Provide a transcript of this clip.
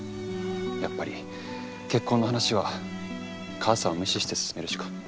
やっぱり結婚の話は母さんを無視して進めるしか。